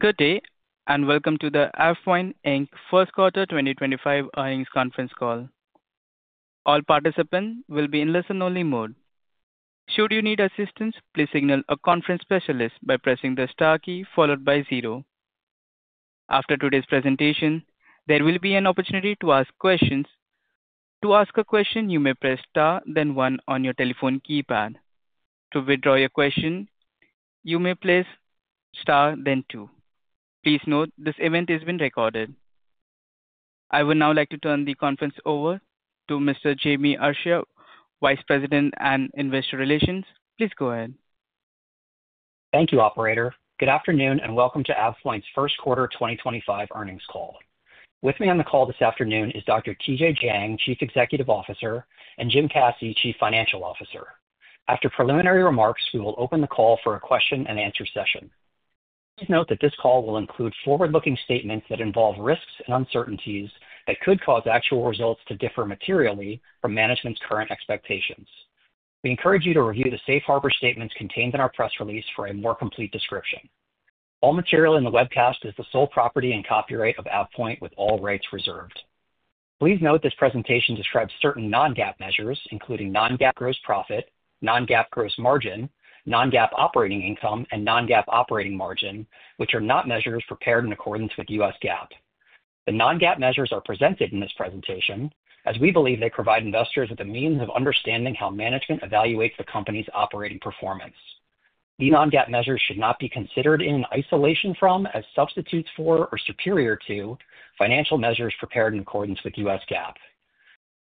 Good day, and welcome to the AvePoint Inc, First Quarter 2025 Earnings Conference Call. All participants will be in listen-only mode. Should you need assistance, please signal a conference specialist by pressing the star key followed by zero. After today's presentation, there will be an opportunity to ask questions. To ask a question, you may press star then one on your telephone keypad. To withdraw your question, you may press star then two. Please note this event is being recorded. I would now like to turn the conference over to Mr. Jamie Arestia, Vice President and Investor Relations. Please go ahead. Thank you, operator. Good afternoon, and welcome to AvePoint's First Quarter 2025 earnings call. With me on the call this afternoon is Dr. TJ Jiang, Chief Executive Officer, and Jim Caci, Chief Financial Officer. After preliminary remarks, we will open the call for a question-and-answer session. Please note that this call will include forward-looking statements that involve risks and uncertainties that could cause actual results to differ materially from management's current expectations. We encourage you to review the safe harbor statements contained in our press release for a more complete description. All material in the webcast is the sole property and copyright of AvePoint, with all rights reserved. Please note this presentation describes certain non-GAAP measures, including non-GAAP gross profit, non-GAAP gross margin, non-GAAP operating income, and non-GAAP operating margin, which are not measures prepared in accordance with US GAAP. The non-GAAP measures are presented in this presentation as we believe they provide investors with a means of understanding how management evaluates the company's operating performance. The non-GAAP measures should not be considered in isolation from, as substitutes for, or superior to, financial measures prepared in accordance with US GAAP.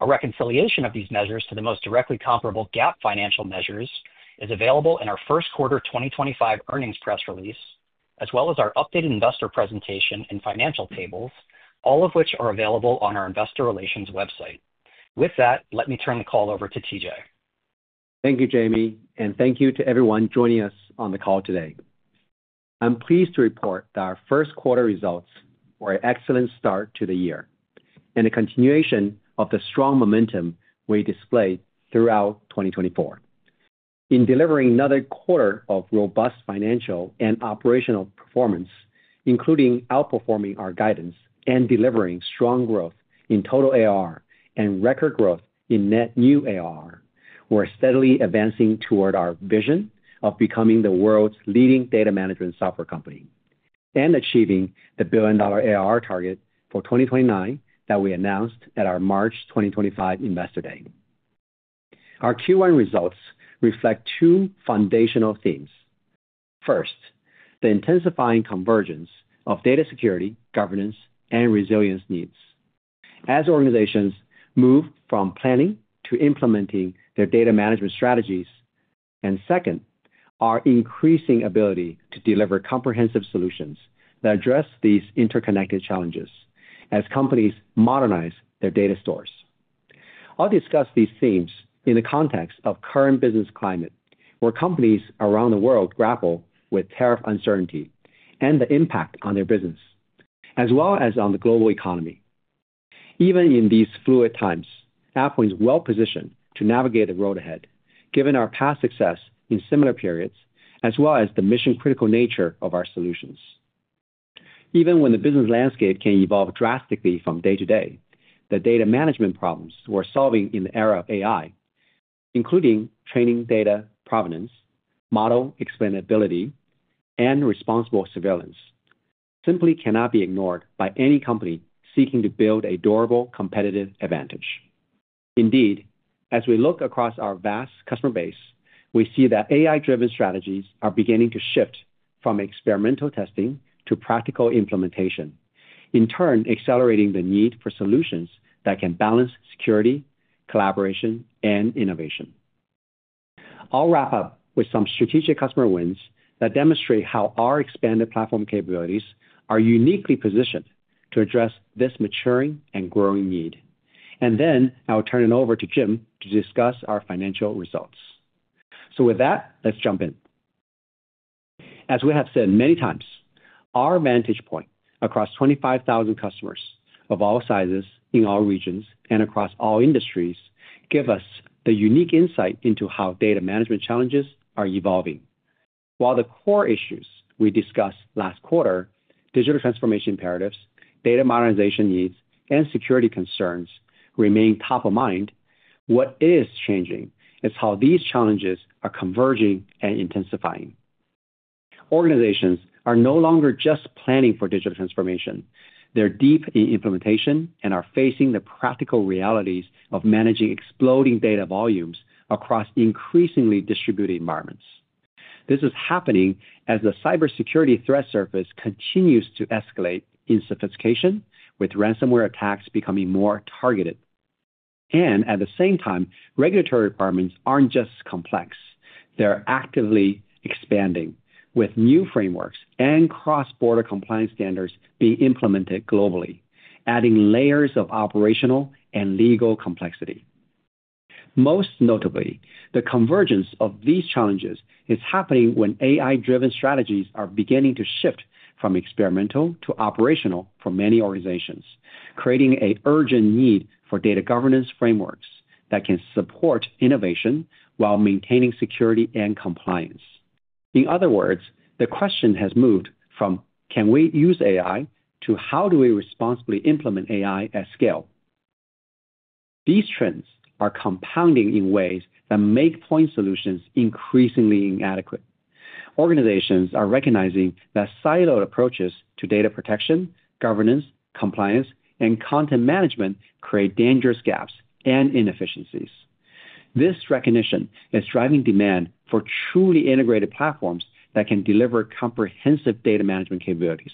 A reconciliation of these measures to the most directly comparable GAAP financial measures is available in our First Quarter 2025 Earnings Press Release, as well as our updated investor presentation and financial tables, all of which are available on our Investor relations website. With that, let me turn the call over to TJ. Thank you, Jamie, and thank you to everyone joining us on the call today. I'm pleased to report that our first quarter results were an excellent start to the year and a continuation of the strong momentum we displayed throughout 2024. In delivering another quarter of robust financial and operational performance, including outperforming our guidance and delivering strong growth in total ARR and record growth in net new ARR, we're steadily advancing toward our vision of becoming the world's leading data management software company and achieving the billion-dollar ARR target for 2029 that we announced at our March 2025 Investor Day. Our Q1 results reflect two foundational themes. First, the intensifying convergence of data security, governance, and resilience needs as organizations move from planning to implementing their data management strategies, and second, our increasing ability to deliver comprehensive solutions that address these interconnected challenges as companies modernize their data stores. I'll discuss these themes in the context of current business climate, where companies around the world grapple with tariff uncertainty and the impact on their business, as well as on the global economy. Even in these fluid times, AvePoint is well positioned to navigate the road ahead, given our past success in similar periods, as well as the mission-critical nature of our solutions. Even when the business landscape can evolve drastically from day to day, the data management problems we're solving in the era of AI, including training data provenance, model explainability, and responsible surveillance, simply cannot be ignored by any company seeking to build a durable competitive advantage. Indeed, as we look across our vast customer base, we see that AI-driven strategies are beginning to shift from experimental testing to practical implementation, in turn accelerating the need for solutions that can balance security, collaboration, and innovation. I'll wrap up with some strategic customer wins that demonstrate how our expanded platform capabilities are uniquely positioned to address this maturing and growing need, and then I'll turn it over to Jim to discuss our financial results. With that, let's jump in. As we have said many times, our vantage point across 25,000 customers of all sizes, in all regions, and across all industries gives us the unique insight into how data management challenges are evolving. While the core issues we discussed last quarter, digital transformation imperatives, data modernization needs, and security concerns remain top of mind, what is changing is how these challenges are converging and intensifying. Organizations are no longer just planning for digital transformation. They're deep in implementation and are facing the practical realities of managing exploding data volumes across increasingly distributed environments. This is happening as the cybersecurity threat surface continues to escalate in sophistication, with ransomware attacks becoming more targeted. At the same time, regulatory requirements aren't just complex. They're actively expanding, with new frameworks and cross-border compliance standards being implemented globally, adding layers of operational and legal complexity. Most notably, the convergence of these challenges is happening when AI-driven strategies are beginning to shift from experimental to operational for many organizations, creating an urgent need for data governance frameworks that can support innovation while maintaining security and compliance. In other words, the question has moved from, "Can we use AI?" to, "How do we responsibly implement AI at scale?" These trends are compounding in ways that make point solutions increasingly inadequate. Organizations are recognizing that siloed approaches to data protection, governance, compliance, and content management create dangerous gaps and inefficiencies. This recognition is driving demand for truly integrated platforms that can deliver comprehensive data management capabilities.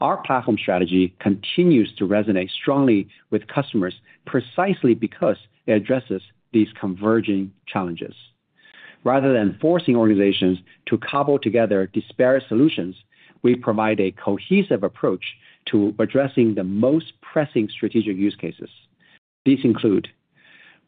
Our platform strategy continues to resonate strongly with customers precisely because it addresses these converging challenges. Rather than forcing organizations to cobble together disparate solutions, we provide a cohesive approach to addressing the most pressing strategic use cases. These include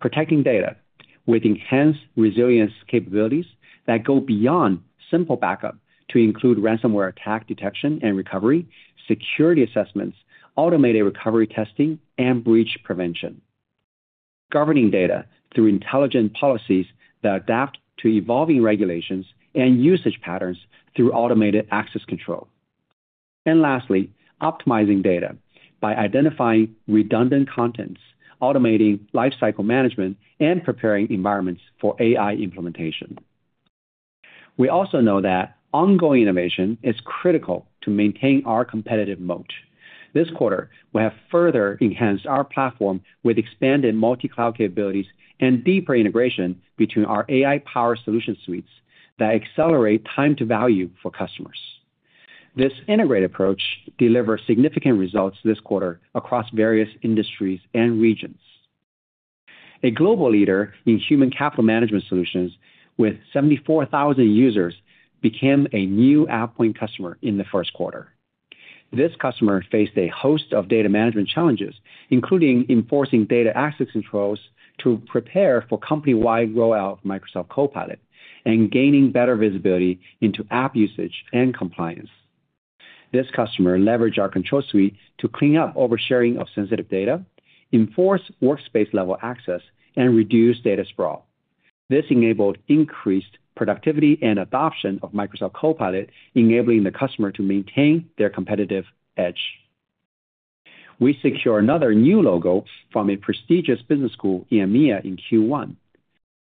protecting data with enhanced resilience capabilities that go beyond simple backup to include ransomware attack detection and recovery, security assessments, automated recovery testing, and breach prevention, governing data through intelligent policies that adapt to evolving regulations and usage patterns through automated access control, and lastly, optimizing data by identifying redundant contents, automating lifecycle management, and preparing environments for AI implementation. We also know that ongoing innovation is critical to maintain our competitive moat. This quarter, we have further enhanced our platform with expanded multi-cloud capabilities and deeper integration between our AI-powered solution suites that accelerate time to value for customers. This integrated approach delivers significant results this quarter across various industries and regions. A global leader in human capital management solutions with 74,000 users became a new AvePoint customer in the first quarter. This customer faced a host of data management challenges, including enforcing data access controls to prepare for company-wide rollout of Microsoft Copilot and gaining better visibility into app usage and compliance. This customer leveraged our Control Suite to clean up oversharing of sensitive data, enforce workspace-level access, and reduce data sprawl. This enabled increased productivity and adoption of Microsoft Copilot, enabling the customer to maintain their competitive edge. We secure another new logo from a prestigious business school in EMEA in Q1.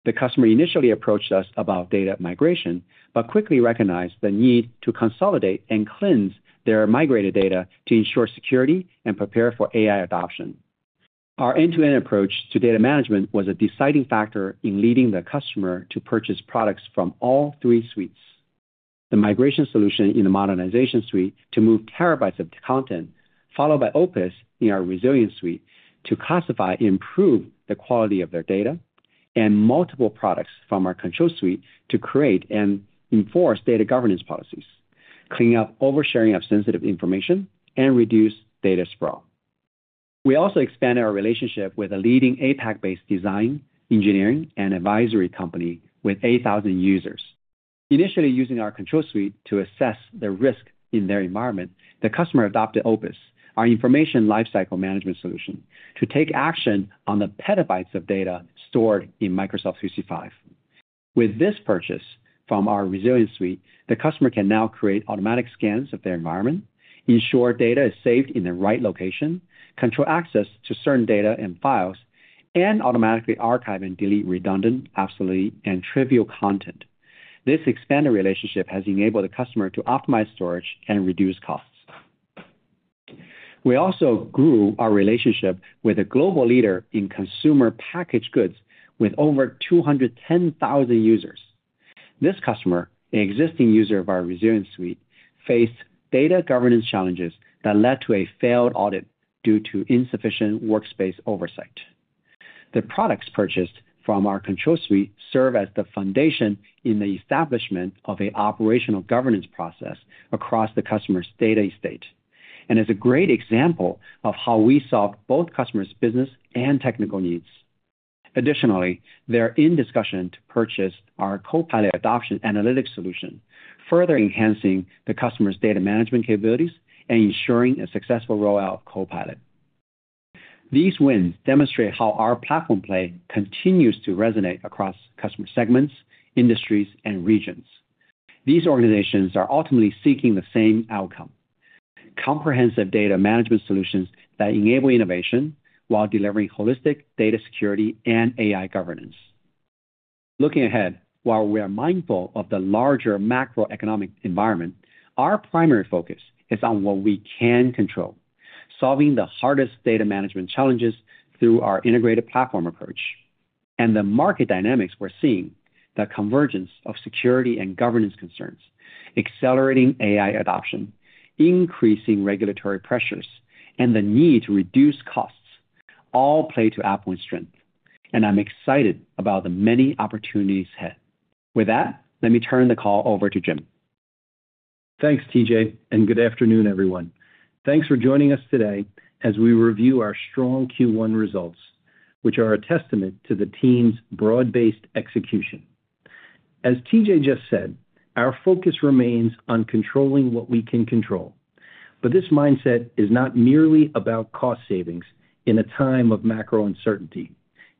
The customer initially approached us about data migration, but quickly recognized the need to consolidate and cleanse their migrated data to ensure security and prepare for AI adoption. Our end-to-end approach to data management was a deciding factor in leading the customer to purchase products from all three suites: the migration solution in the AvePoint Modernization Suite to move terabytes of content, followed by AvePoint Opus in our AvePoint Resilience Suite to classify and improve the quality of their data, and multiple products from our AvePoint Control Suite to create and enforce data governance policies, clean up oversharing of sensitive information, and reduce data sprawl. We also expanded our relationship with a leading APAC-based design, engineering, and advisory company with 8,000 users. Initially using our Control Suite to assess the risk in their environment, the customer adopted Opus, our information lifecycle management solution, to take action on the petabytes of data stored in Microsoft 365. With this purchase from our Resilience Suite, the customer can now create automatic scans of their environment, ensure data is saved in the right location, control access to certain data and files, and automatically archive and delete redundant, obsolete, and trivial content. This expanded relationship has enabled the customer to optimize storage and reduce costs. We also grew our relationship with a global leader in consumer packaged goods with over 210,000 users. This customer, an existing user of our Resilience Suite, faced data governance challenges that led to a failed audit due to insufficient workspace oversight. The products purchased from our Control Suite serve as the foundation in the establishment of an operational governance process across the customer's data estate and is a great example of how we solved both customers' business and technical needs. Additionally, they're in discussion to purchase our Copilot Adoption Analytics solution, further enhancing the customer's data management capabilities and ensuring a successful rollout of Copilot. These wins demonstrate how our platform play continues to resonate across customer segments, industries, and regions. These organizations are ultimately seeking the same outcome: comprehensive data management solutions that enable innovation while delivering holistic data security and AI governance. Looking ahead, while we are mindful of the larger macroeconomic environment, our primary focus is on what we can control, solving the hardest data management challenges through our integrated platform approach and the market dynamics we're seeing: the convergence of security and governance concerns, accelerating AI adoption, increasing regulatory pressures, and the need to reduce costs all play to AvePoint's strength. I am excited about the many opportunities ahead. With that, let me turn the call over to Jim. Thanks, TJ, and good afternoon, everyone. Thanks for joining us today as we review our strong Q1 results, which are a testament to the team's broad-based execution. As TJ just said, our focus remains on controlling what we can control, but this mindset is not merely about cost savings in a time of macro uncertainty.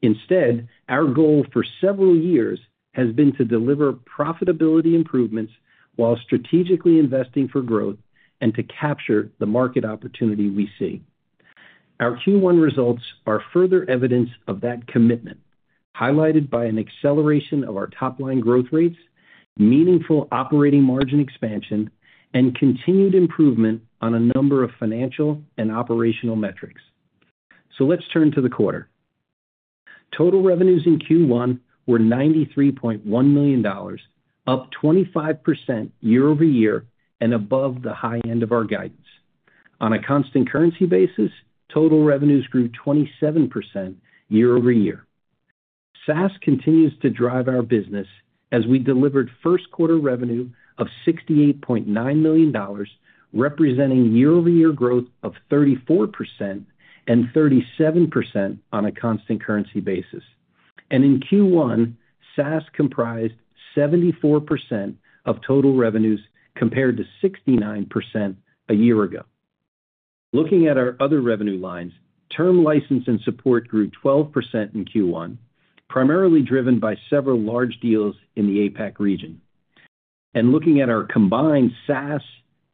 Instead, our goal for several years has been to deliver profitability improvements while strategically investing for growth and to capture the market opportunity we see. Our Q1 results are further evidence of that commitment, highlighted by an acceleration of our top-line growth rates, meaningful operating margin expansion, and continued improvement on a number of financial and operational metrics. Let's turn to the quarter. Total revenues in Q1 were $93.1 million, up 25% year-over-year and above the high end of our guidance. On a constant currency basis, total revenues grew 27% year over year. SaaS continues to drive our business as we delivered first-quarter revenue of $68.9 million, representing year-over-year growth of 34% and 37% on a constant currency basis. In Q1, SaaS comprised 74% of total revenues compared to 69% a year ago. Looking at our other revenue lines, term license and support grew 12% in Q1, primarily driven by several large deals in the APAC region. Looking at our combined SaaS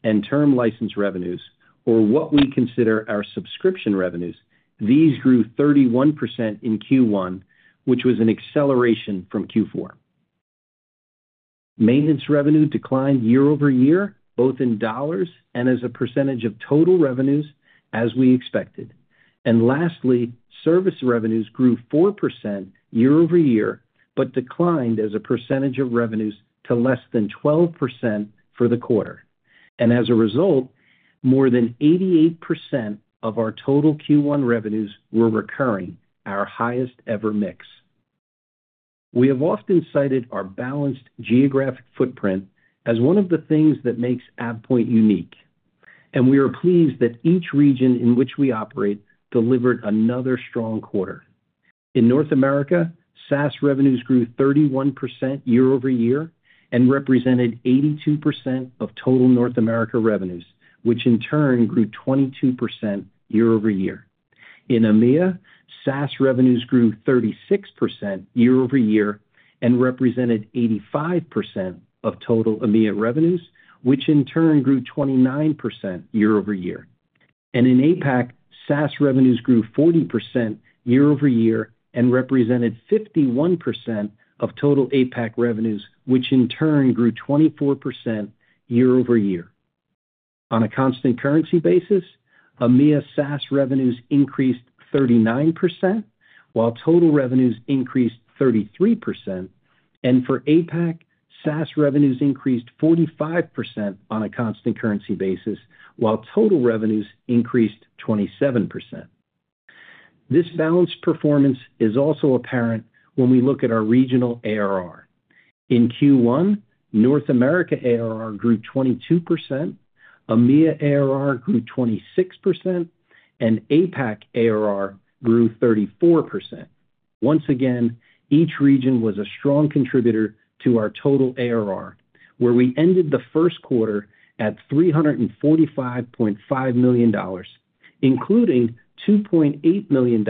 and term license revenues, or what we consider our subscription revenues, these grew 31% in Q1, which was an acceleration from Q4. Maintenance revenue declined year-over-year, both in dollars and as a percentage of total revenues, as we expected. Lastly, service revenues grew 4% year-over-year but declined as a percentage of revenues to less than 12% for the quarter. And as a result, more than 88% of our total Q1 revenues were recurring, our highest-ever mix. We have often cited our balanced geographic footprint as one of the things that makes AvePoint unique, and we are pleased that each region in which we operate delivered another strong quarter. In North America, SaaS revenues grew 31% year-over-year and represented 82% of total North America revenues, which in turn grew 22% year over year. In EMEA, SaaS revenues grew 36% year-over-year and represented 85% of total EMEA revenues, which in turn grew 29% year over year. In APAC, SaaS revenues grew 40% year over year and represented 51% of total APAC revenues, which in turn grew 24% year over year. On a constant currency basis, EMEA SaaS revenues increased 39%, while total revenues increased 33%. For APAC, SaaS revenues increased 45% on a constant currency basis, while total revenues increased 27%. This balanced performance is also apparent when we look at our regional ARR. In Q1, North America ARR grew 22%, EMEA ARR grew 26%, and APAC ARR grew 34%. Once again, each region was a strong contributor to our total ARR, where we ended the first quarter at $345.5 million, including $2.8 million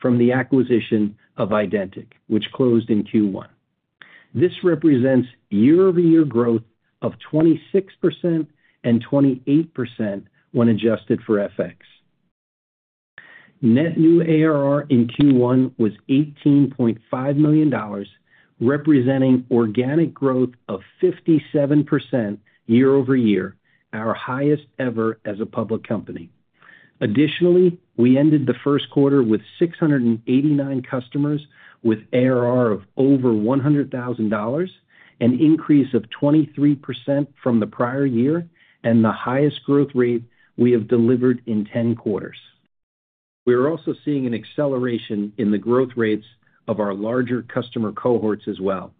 from the acquisition of Ydentic, which closed in Q1. This represents year-over-year growth of 26% and 28% when adjusted for FX. Net new ARR in Q1 was $18.5 million, representing organic growth of 57% year-over-year, our highest ever as a public company. Additionally, we ended the first quarter with 689 customers, with ARR of over $100,000, an increase of 23% from the prior year and the highest growth rate we have delivered in 10 quarters. We are also seeing an acceleration in the growth rates of our larger customer cohorts as well,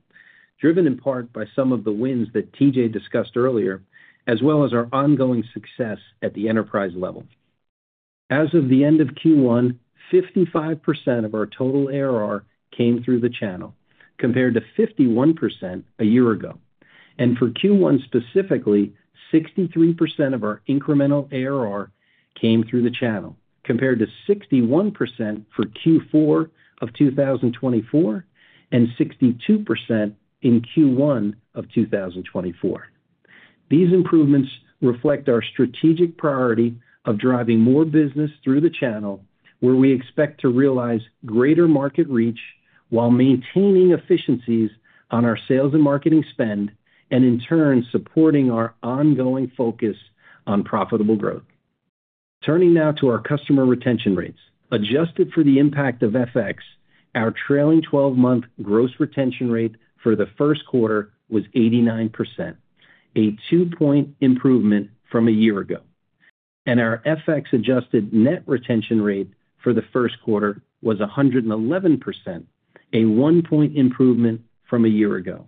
driven in part by some of the wins that TJ discussed earlier, as well as our ongoing success at the enterprise level. As of the end of Q1, 55% of our total ARR came through the channel, compared to 51% a year ago. For Q1 specifically, 63% of our incremental ARR came through the channel, compared to 61% for Q4 of 2024 and 62% in Q1 of 2024. These improvements reflect our strategic priority of driving more business through the channel, where we expect to realize greater market reach while maintaining efficiencies on our sales and marketing spend and, in turn, supporting our ongoing focus on profitable growth. Turning now to our customer retention rates, adjusted for the impact of FX, our trailing 12-month gross retention rate for the first quarter was 89%, a two-point improvement from a year ago. Our FX-adjusted net retention rate for the first quarter was 111%, a one-point improvement from a year ago.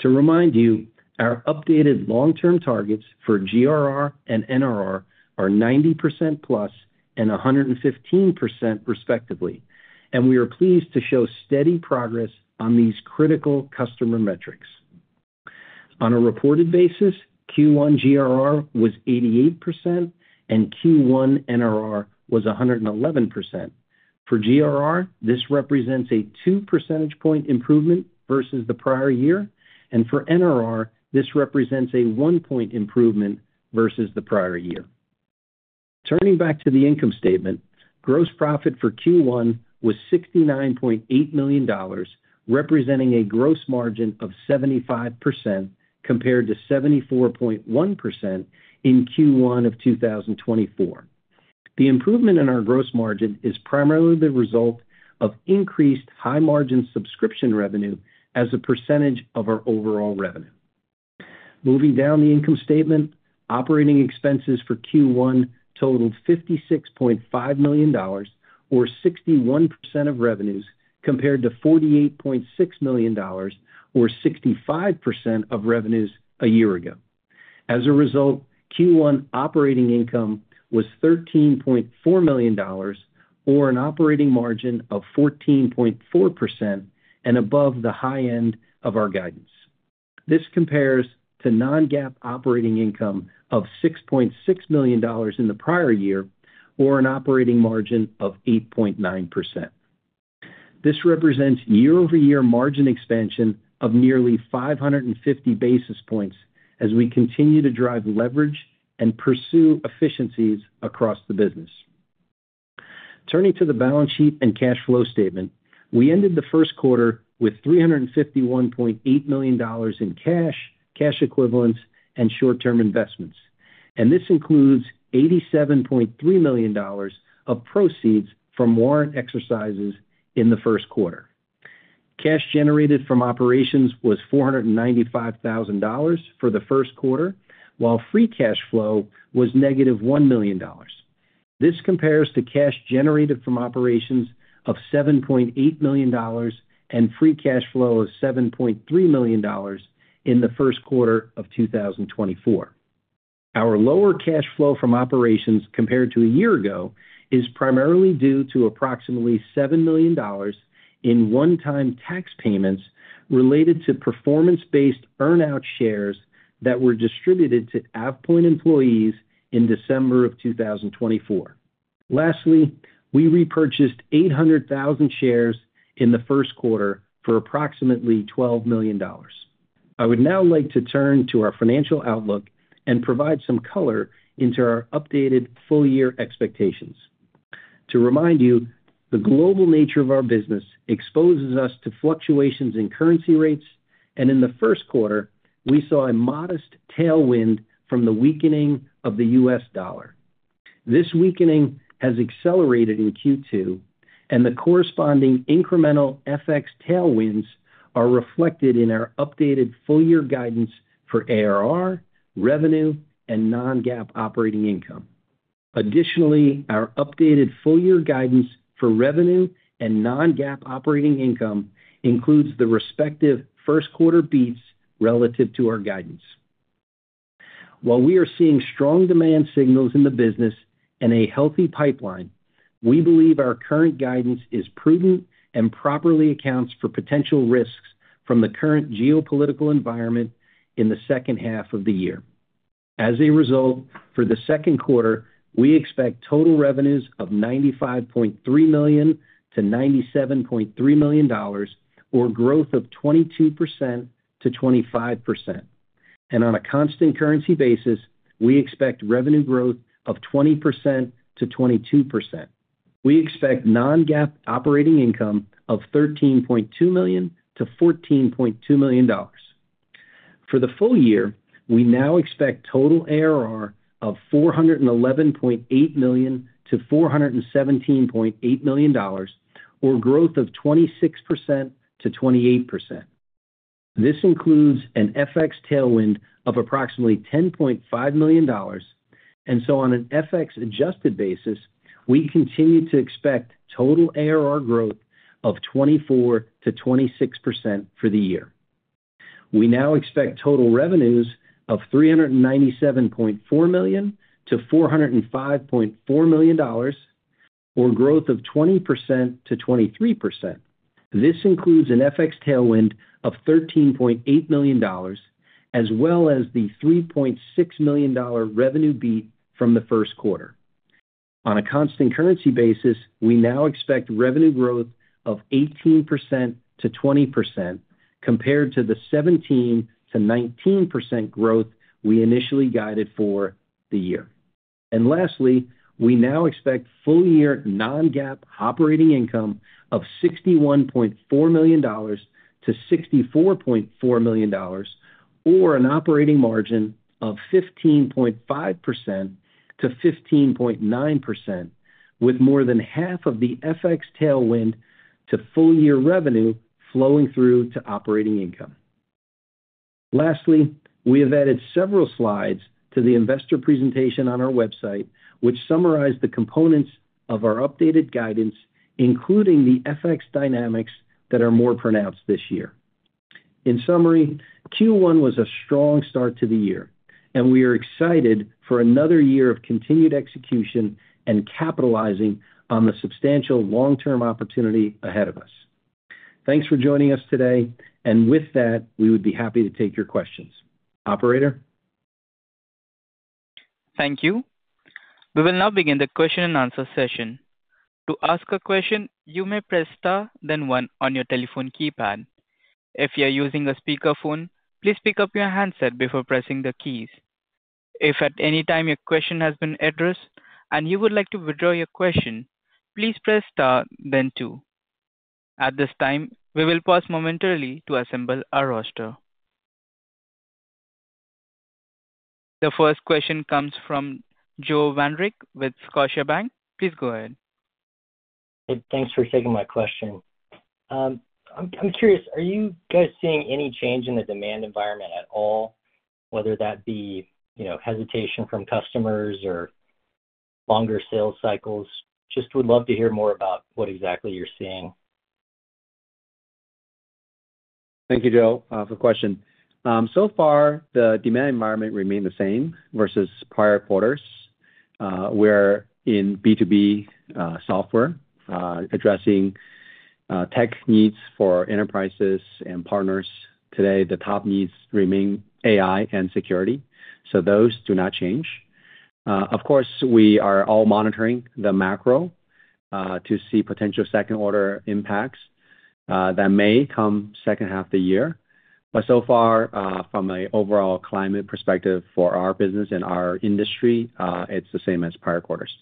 To remind you, our updated long-term targets for GRR and NRR are 90% and 115%, respectively, and we are pleased to show steady progress on these critical customer metrics. On a reported basis, Q1 GRR was 88% and Q1 NRR was 111%. For GRR, this represents a two percentage point improvement versus the prior year, and for NRR, this represents a one point improvement versus the prior year. Turning back to the income statement, gross profit for Q1 was $69.8 million, representing a gross margin of 75% compared to 74.1% in Q1 of 2024. The improvement in our gross margin is primarily the result of increased high-margin subscription revenue as a percentage of our overall revenue. Moving down the income statement, operating expenses for Q1 totaled $56.5 million, or 61% of revenues, compared to $48.6 million, or 65% of revenues a year ago. As a result, Q1 operating income was $13.4 million, or an operating margin of 14.4% and above the high end of our guidance. This compares to non-GAAP operating income of $6.6 million in the prior year, or an operating margin of 8.9%. This represents year-over-year margin expansion of nearly 550 basis points as we continue to drive leverage and pursue efficiencies across the business. Turning to the balance sheet and cash flow statement, we ended the first quarter with $351.8 million in cash, cash equivalents, and short-term investments. This includes $87.3 million of proceeds from warrant exercises in the first quarter. Cash generated from operations was $495,000 for the first quarter, while free cash flow was -$1 million. This compares to cash generated from operations of $7.8 million and free cash flow of $7.3 million in the first quarter of 2024. Our lower cash flow from operations compared to a year ago is primarily due to approximately $7 million in one-time tax payments related to performance-based earnout shares that were distributed to AvePoint employees in December of 2024. Lastly, we repurchased 800,000 shares in the first quarter for approximately $12 million. I would now like to turn to our financial outlook and provide some color into our updated full-year expectations. To remind you, the global nature of our business exposes us to fluctuations in currency rates, and in the first quarter, we saw a modest tailwind from the weakening of the U.S. dollar. This weakening has accelerated in Q2, and the corresponding incremental FX tailwinds are reflected in our updated full-year guidance for ARR, revenue, and non-GAAP operating income. Additionally, our updated full-year guidance for revenue and non-GAAP operating income includes the respective first-quarter beats relative to our guidance. While we are seeing strong demand signals in the business and a healthy pipeline, we believe our current guidance is prudent and properly accounts for potential risks from the current geopolitical environment in the second half of the year. As a result, for the second quarter, we expect total revenues of $95.3 million-$97.3 million, or growth of 22%-25%. On a constant currency basis, we expect revenue growth of 20%-22%. We expect non-GAAP operating income of $13.2 million-$14.2 million. For the full year, we now expect total ARR of $411.8 million-$417.8 million, or growth of 26%-28%. This includes an FX tailwind of approximately $10.5 million. On an FX-adjusted basis, we continue to expect total ARR growth of 24%-26% for the year. We now expect total revenues of $397.4 million-$405.4 million, or growth of 20%-23%. This includes an FX tailwind of $13.8 million, as well as the $3.6 million revenue beat from the first quarter. On a constant currency basis, we now expect revenue growth of 18%-20%, compared to the 17%-19% growth we initially guided for the year. And lastly, we now expect full-year non-GAAP operating income of $61.4 million-$64.4 million, or an operating margin of 15.5%-15.9%, with more than half of the FX tailwind to full-year revenue flowing through to operating income. Lastly, we have added several slides to the investor presentation on our website, which summarize the components of our updated guidance, including the FX dynamics that are more pronounced this year. In summary, Q1 was a strong start to the year, and we are excited for another year of continued execution and capitalizing on the substantial long-term opportunity ahead of us. Thanks for joining us today, and with that, we would be happy to take your questions. Operator? Thank you. We will now begin the question-and-answer session. To ask a question, you may press star then 1 on your telephone keypad. If you are using a speakerphone, please pick up your handset before pressing the keys. If at any time your question has been addressed and you would like to withdraw your question, please press star then two. At this time, we will pause momentarily to assemble our roster. The first question comes from Joe Vandrick with Scotiabank. Please go ahead. Hey, thanks for taking my question. I'm curious, are you guys seeing any change in the demand environment at all, whether that be hesitation from customers or longer sales cycles? Just would love to hear more about what exactly you're seeing. Thank you, Joe, for the question. So far, the demand environment remained the same versus prior quarters. We're in B2B software addressing tech needs for enterprises and partners. Today, the top needs remain AI and security, so those do not change. Of course, we are all monitoring the macro to see potential second-order impacts that may come second half of the year. From an overall climate perspective for our business and our industry, it's the same as prior quarters.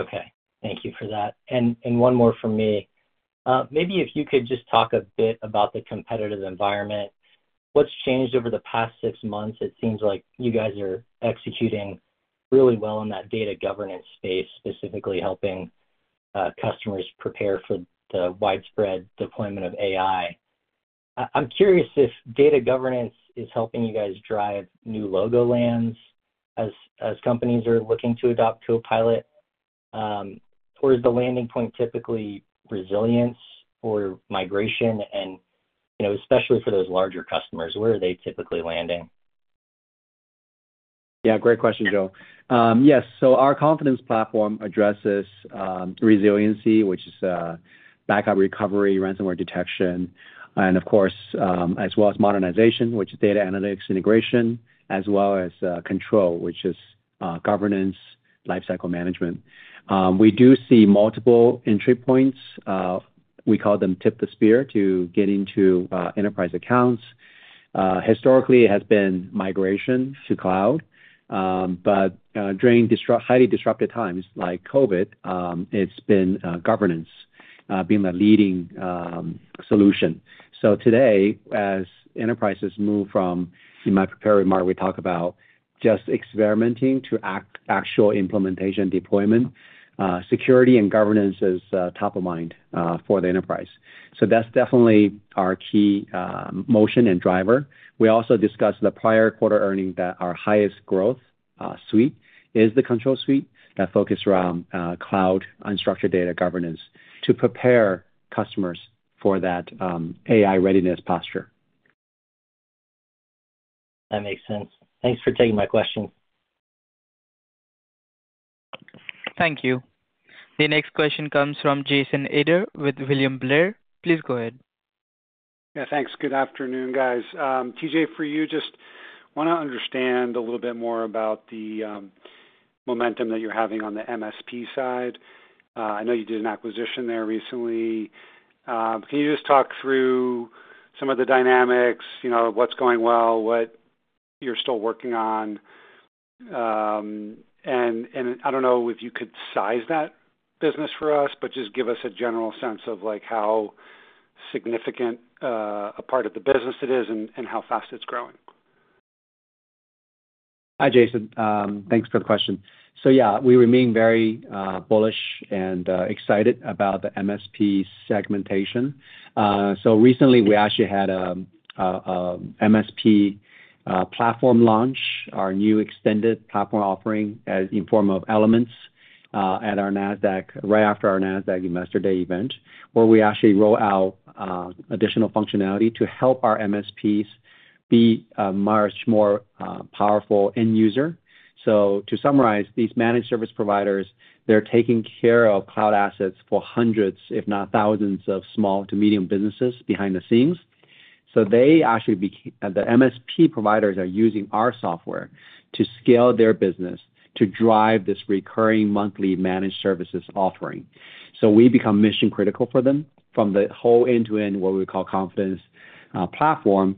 Okay. Thank you for that. One more from me. Maybe if you could just talk a bit about the competitive environment. What's changed over the past six months? It seems like you guys are executing really well in that data governance space, specifically helping customers prepare for the widespread deployment of AI. I'm curious if data governance is helping you guys drive new logolands as companies are looking to adopt Copilot. Or is the landing point typically resilience or migration, and especially for those larger customers? Where are they typically landing? Yeah, great question, Joe. Yes. Our Confidence Platform addresses resiliency, which is backup recovery, ransomware detection, and of course, as well as modernization, which is data analytics integration, as well as control, which is governance, lifecycle management. We do see multiple entry points. We call them tip the spear to get into enterprise accounts. Historically, it has been migration to cloud. During highly disrupted times like COVID, it has been governance being the leading solution. Today, as enterprises move from, in my prepared remark, we talk about just experimenting to actual implementation deployment, security and governance is top of mind for the enterprise. That is definitely our key motion and driver. We also discussed the prior quarter earning that our highest growth suite is the Control Suite that focuses around cloud unstructured data governance to prepare customers for that AI readiness posture. That makes sense. Thanks for taking my question. Thank you. The next question comes from Jason Ader with William Blair. Please go ahead. Yeah, thanks. Good afternoon, guys. TJ, for you, just want to understand a little bit more about the momentum that you're having on the MSP side. I know you did an acquisition there recently. Can you just talk through some of the dynamics, what's going well, what you're still working on? I do not know if you could size that business for us, but just give us a general sense of how significant a part of the business it is and how fast it's growing. Hi, Jason. Thanks for the question. So yeah, we remain very bullish and excited about the MSP segmentation. Recently, we actually had an MSP platform launch, our new extended platform offering in form of Elements at our NASDAQ, right after our NASDAQ Investor Day event, where we actually rolled out additional functionality to help our MSPs be a much more powerful end user. To summarize, these managed service providers, they're taking care of cloud assets for hundreds, if not thousands, of small to medium businesses behind the scenes. They actually, the MSP providers, are using our software to scale their business to drive this recurring monthly managed services offering. We become mission-critical for them from the whole end-to-end, what we call confidence platform,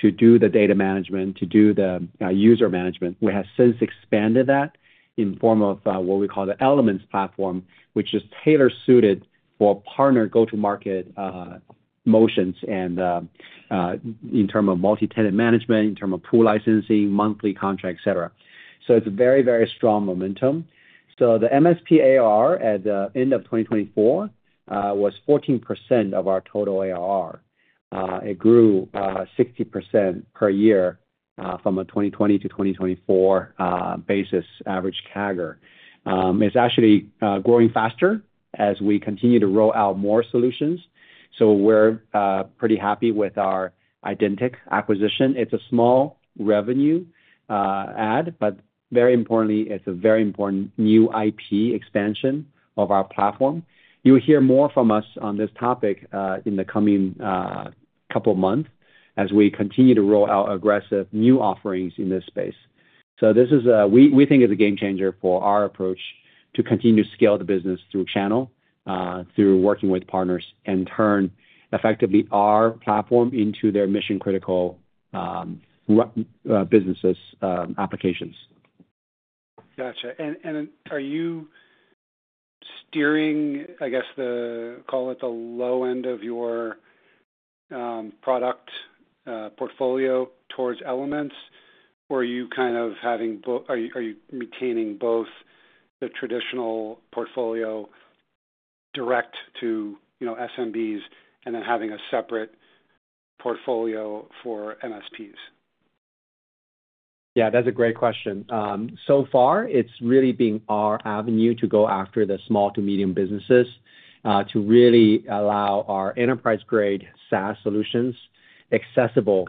to do the data management, to do the user management. We have since expanded that in form of what we call the Elements platform, which is tailor-suited for partner go-to-market motions and in terms of multi-tenant management, in terms of pool licensing, monthly contract, etc. It is a very, very strong momentum. The MSP ARR at the end of 2024 was 14% of our total ARR. It grew 60% per year from a 2020 to 2024 basis average CAGR. It is actually growing faster as we continue to roll out more solutions. We are pretty happy with our Ydentic acquisition. It is a small revenue add, but very importantly, it is a very important new IP expansion of our platform. You will hear more from us on this topic in the coming couple of months as we continue to roll out aggressive new offerings in this space. We think it's a game changer for our approach to continue to scale the business through channel, through working with partners, and turn effectively our platform into their mission-critical businesses' applications. Got you. Are you steering, I guess, call it the low end of your product portfolio towards Elements? Or are you kind of having both? Are you retaining both the traditional portfolio direct to SMBs and then having a separate portfolio for MSPs? Yeah, that's a great question. So far, it's really been our avenue to go after the small to medium businesses to really allow our enterprise-grade SaaS solutions accessible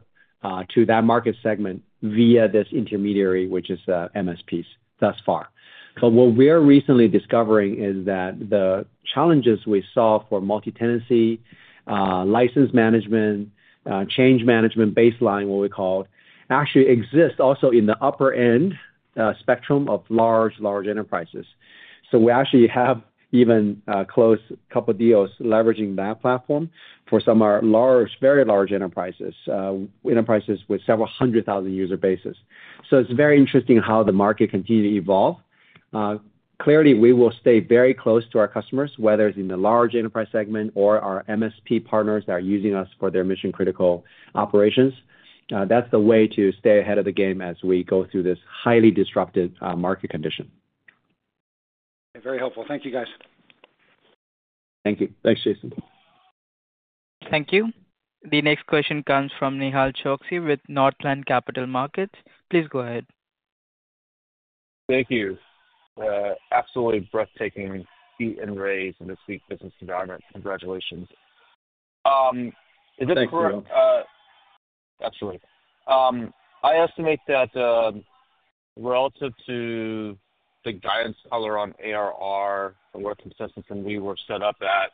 to that market segment via this intermediary, which is MSPs thus far. What we're recently discovering is that the challenges we saw for multi-tenancy, license management, change management baseline, what we called, actually exist also in the upper-end spectrum of large, large enterprises. We actually have even closed a couple of deals leveraging that platform for some of our large, very large enterprises, enterprises with several hundred thousand user bases. It is very interesting how the market continues to evolve. Clearly, we will stay very close to our customers, whether it is in the large enterprise segment or our MSP partners that are using us for their mission-critical operations. That is the way to stay ahead of the game as we go through this highly disrupted market condition. Very helpful. Thank you, guys. Thank you. Thanks, Jason. Thank you. The next question comes from Nihal Chaxi with Northland Capital Markets. Please go ahead. Thank you. Absolutely breathtaking feat and raise in this sweet business environment. Congratulations. Thank you, Nihal. Absolutely. I estimate that relative to the guidance color on ARR, the work consistency we were set up at,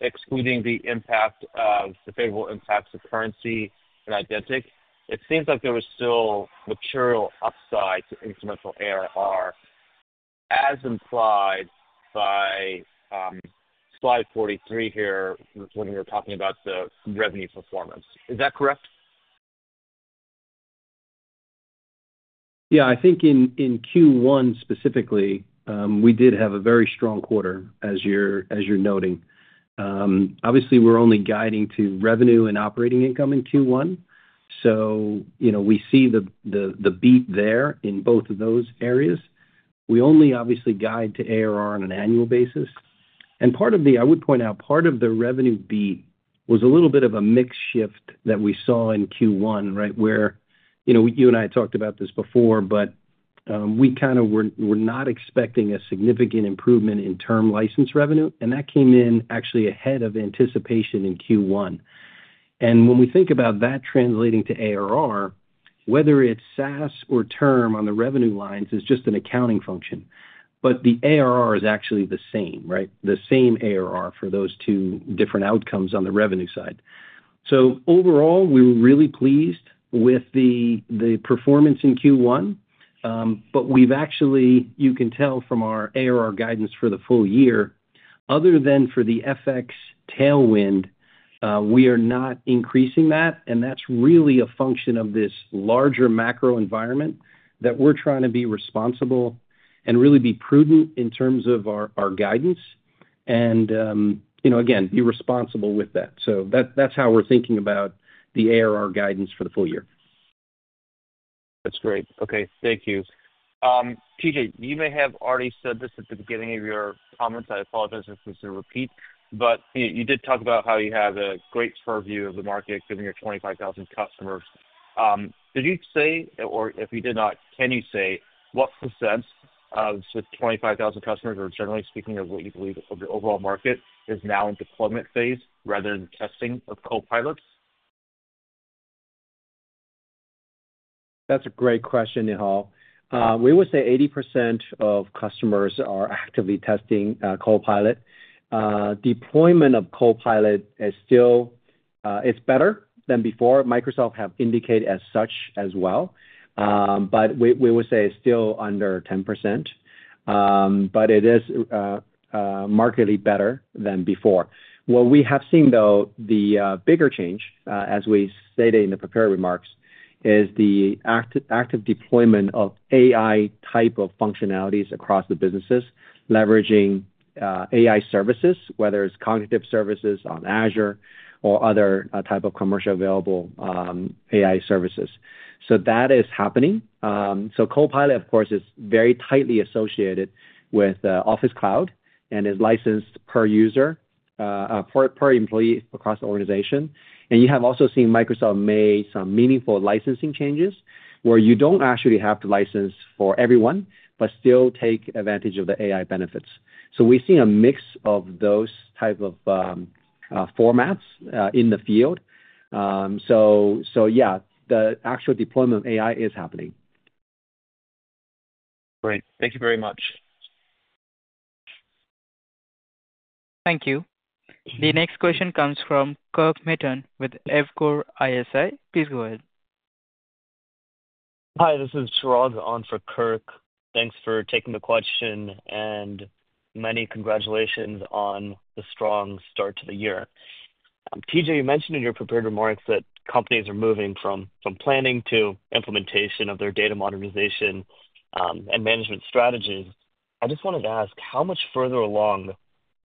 excluding the impact of the favorable impacts of currency and Ydentic., it seems like there was still material upside to incremental ARR as implied by slide 43 here when we were talking about the revenue performance. Is that correct? Yeah. I think in Q1 specifically, we did have a very strong quarter, as you're noting. Obviously, we're only guiding to revenue and operating income in Q1. We see the beat there in both of those areas. We only obviously guide to ARR on an annual basis. I would point out part of the revenue beat was a little bit of a mixed shift that we saw in Q1, right, where you and I had talked about this before, but we kind of were not expecting a significant improvement in term license revenue. That came in actually ahead of anticipation in Q1. When we think about that translating to ARR, whether it's SaaS or term on the revenue lines is just an accounting function. The ARR is actually the same, right? The same ARR for those two different outcomes on the revenue side. Overall, we were really pleased with the performance in Q1. You can tell from our ARR guidance for the full year, other than for the FX tailwind, we are not increasing that. That is really a function of this larger macro environment that we are trying to be responsible and really be prudent in terms of our guidance and, again, be responsible with that. That is how we are thinking about the ARR guidance for the full year. That is great. Okay. Thank you. TJ, you may have already said this at the beginning of your comments. I apologize if this is a repeat. You did talk about how you have a great purview of the market given your 25,000 customers. Did you say, or if you did not, can you say what percent of the 25,000 customers, or generally speaking, of what you believe of the overall market is now in deployment phase rather than testing of Copilot? That is a great question, Nihal. We would say 80% of customers are actively testing Copilot. Deployment of Copilot is better than before. Microsoft has indicated as such as well. We would say it's still under 10%, but it is markedly better than before. What we have seen, though, the bigger change, as we stated in the prepared remarks, is the active deployment of AI type of functionalities across the businesses, leveraging AI services, whether it's cognitive services on Azure or other type of commercially available AI services. That is happening. Copilot, of course, is very tightly associated with Office Cloud and is licensed per employee across the organization. You have also seen Microsoft made some meaningful licensing changes where you do not actually have to license for everyone, but still take advantage of the AI benefits. We have seen a mix of those type of formats in the field. The actual deployment of AI is happening. Great. Thank you very much. Thank you. The next question comes from Kirk Materne with Evercore ISI. Please go ahead. Hi. This is Chirag on for Kirk. Thanks for taking the question and many congratulations on the strong start to the year. TJ, you mentioned in your prepared remarks that companies are moving from planning to implementation of their data modernization and management strategies. I just wanted to ask, how much further along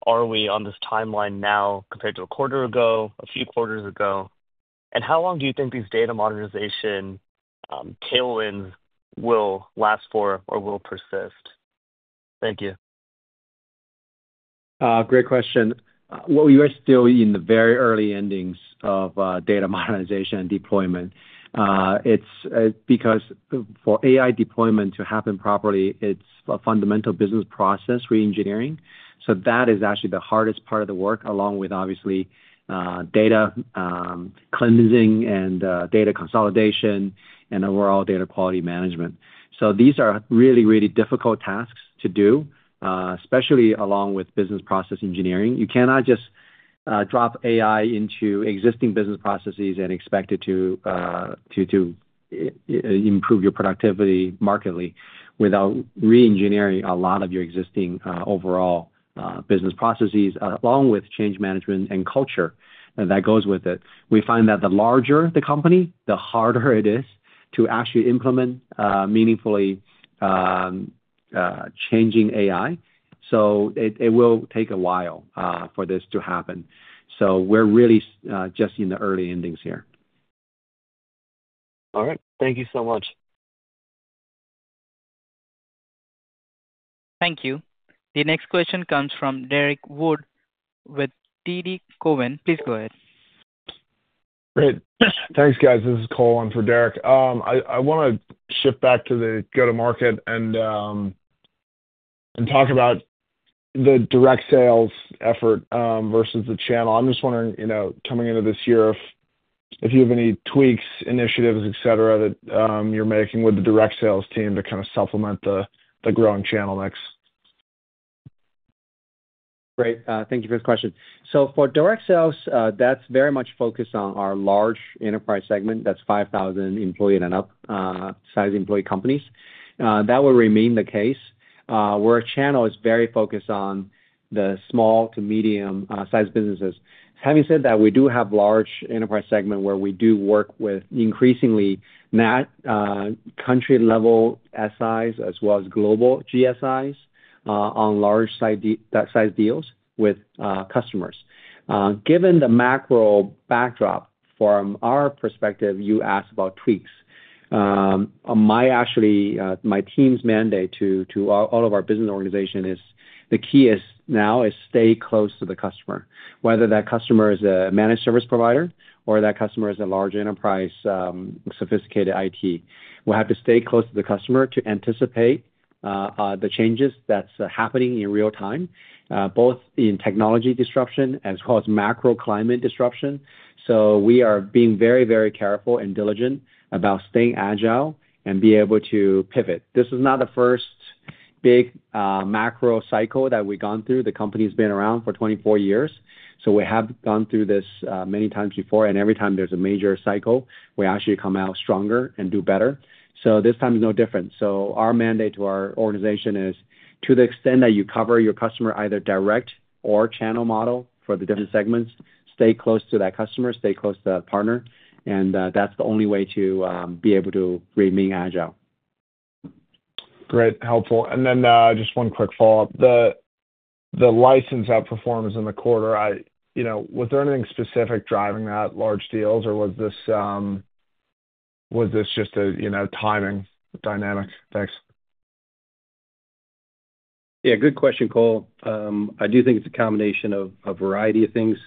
are we on this timeline now compared to a quarter ago, a few quarters ago? How long do you think these data modernization tailwinds will last for or will persist? Thank you. Great question. We are still in the very early innings of data modernization and deployment. It's because for AI deployment to happen properly, it's a fundamental business process re-engineering. That is actually the hardest part of the work, along with obviously data cleansing and data consolidation and overall data quality management. These are really, really difficult tasks to do, especially along with business process engineering. You cannot just drop AI into existing business processes and expect it to improve your productivity markedly without re-engineering a lot of your existing overall business processes, along with change management and culture that goes with it. We find that the larger the company, the harder it is to actually implement meaningfully changing AI. It will take a while for this to happen. We are really just in the early endings here. All right. Thank you so much. Thank you. The next question comes from Derrick Wood with TD Cowen. Please go ahead. Great. Thanks, guys. This is Cole on for Derrick. I want to shift back to the go-to-market and talk about the direct sales effort versus the channel. I'm just wondering, coming into this year, if you have any tweaks, initiatives, etc., that you're making with the direct sales team to kind of supplement the growing channel mix. Great. Thank you for the question. For direct sales, that's very much focused on our large enterprise segment. That's 5,000 employee and up size employee companies. That will remain the case. Where channel is very focused on the small to medium-sized businesses. Having said that, we do have large enterprise segment where we do work with increasingly country-level SIs as well as global GSIs on large-size deals with customers. Given the macro backdrop, from our perspective, you asked about tweaks. My team's mandate to all of our business organizations is the key is now is stay close to the customer. Whether that customer is a managed service provider or that customer is a large enterprise sophisticated IT, we have to stay close to the customer to anticipate the changes that are happening in real time, both in technology disruption as well as macro climate disruption. We are being very, very careful and diligent about staying agile and being able to pivot. This is not the first big macro cycle that we have gone through. The company has been around for 24 years. We have gone through this many times before. Every time there is a major cycle, we actually come out stronger and do better. This time is no different. Our mandate to our organization is, to the extent that you cover your customer either direct or channel model for the different segments, stay close to that customer, stay close to that partner. That is the only way to be able to remain agile. Great. Helpful. And then just one quick follow-up. The license outperformance in the quarter, was there anything specific driving that, large deals, or was this just a timing dynamic? Thanks. Yeah. Good question, Cole. I do think it is a combination of a variety of things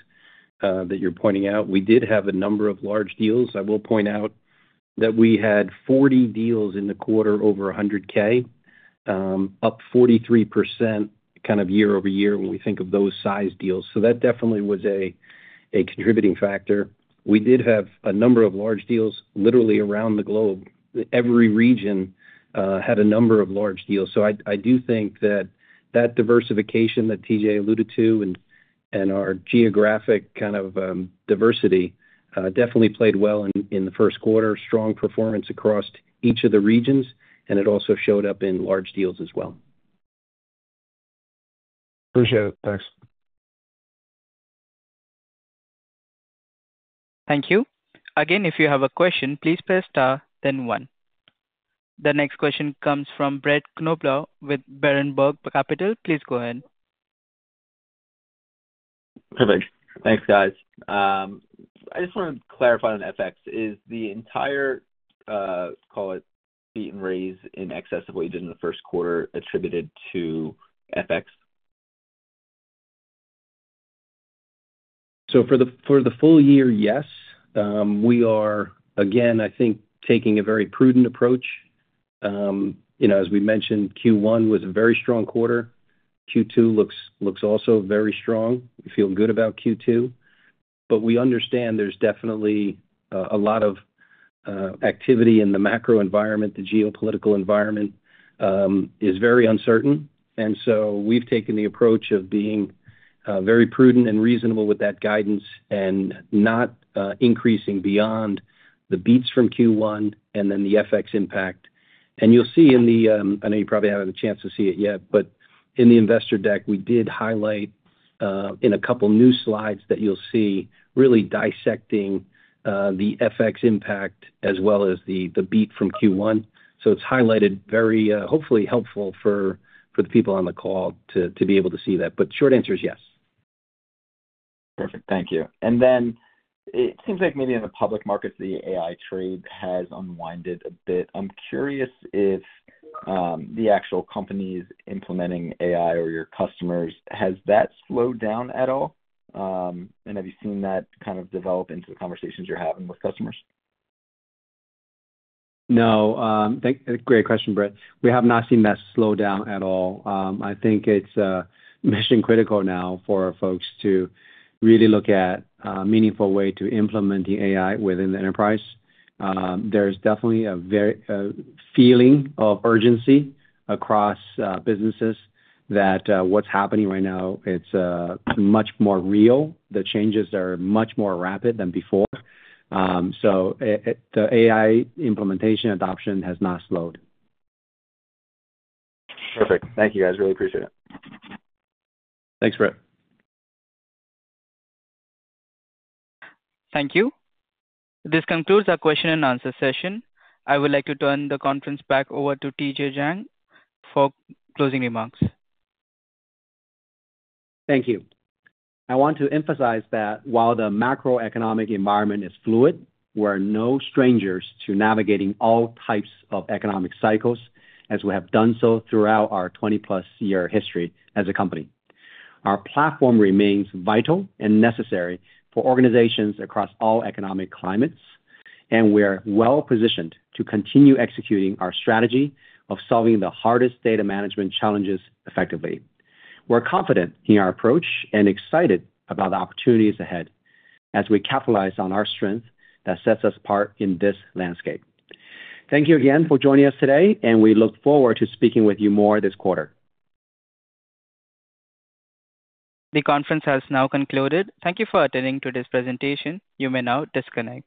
that you are pointing out. We did have a number of large deals. I will point out that we had 40 deals in the quarter over $100,000, up 43% kind of year over year when we think of those size deals. That definitely was a contributing factor. We did have a number of large deals literally around the globe. Every region had a number of large deals. I do think that that diversification that TJ alluded to and our geographic kind of diversity definitely played well in the first quarter, strong performance across each of the regions. It also showed up in large deals as well. Appreciate it. Thanks. Thank you. Again, if you have a question, please press star, then one. The next question comes from Brett Knoblaug with Berenberg Capital. Please go ahead. Perfect. Thanks, guys. I just want to clarify on FX. Is the entire, call it beat and raise in excess of what you did in the first quarter attributed to FX? For the full year, yes. We are, again, I think, taking a very prudent approach. As we mentioned, Q1 was a very strong quarter. Q2 looks also very strong. We feel good about Q2. We understand there is definitely a lot of activity in the macro environment. The geopolitical environment is very uncertain. We have taken the approach of being very prudent and reasonable with that guidance and not increasing beyond the beats from Q1 and then the FX impact. You will see in the—I know you probably have not had a chance to see it yet—but in the investor deck, we did highlight in a couple of new slides that you will see really dissecting the FX impact as well as the beat from Q1. It is highlighted, hopefully helpful for the people on the call to be able to see that. Short answer is yes. Perfect. Thank you. It seems like maybe in the public markets, the AI trade has unwinded a bit. I am curious if the actual companies implementing AI or your customers, has that slowed down at all? Have you seen that kind of develop into the conversations you're having with customers? No. Great question, Brett. We have not seen that slow down at all. I think it's mission-critical now for folks to really look at a meaningful way to implement the AI within the enterprise. There's definitely a feeling of urgency across businesses that what's happening right now, it's much more real. The changes are much more rapid than before. The AI implementation adoption has not slowed. Perfect. Thank you, guys. Really appreciate it. Thanks, Brett. Thank you. This concludes our question and answer session. I would like to turn the conference back over to TJ Jiang for closing remarks. Thank you. I want to emphasize that while the macroeconomic environment is fluid, we are no strangers to navigating all types of economic cycles as we have done so throughout our 20+ year history as a company. Our platform remains vital and necessary for organizations across all economic climates. We are well-positioned to continue executing our strategy of solving the hardest data management challenges effectively. We're confident in our approach and excited about the opportunities ahead as we capitalize on our strength that sets us apart in this landscape. Thank you again for joining us today. We look forward to speaking with you more this quarter. The conference has now concluded. Thank you for attending today's presentation. You may now disconnect.